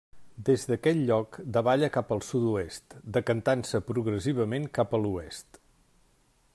Des d'aquell lloc davalla cap al sud-oest, decantant-se progressivament cap a l'oest.